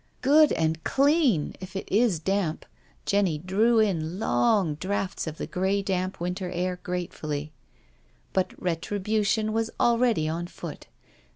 " Good and clean, if it is damp/* Jenny drew in long draughts of the grey, damp, winter air gratefully. But retribution was already on foot.